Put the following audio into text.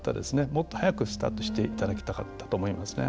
もっと早くスタートしていただきたかったと思いますね。